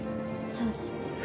そうですね。